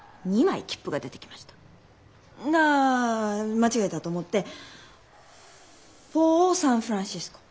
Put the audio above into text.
間違えたと思って「フォーサンフランシスコ」。